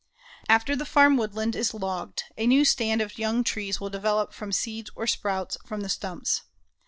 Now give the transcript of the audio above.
After the farm woodland is logged, a new stand of young trees will develop from seeds or sprouts from the stumps.